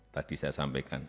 tadi saya sampaikan